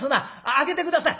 開けて下さい。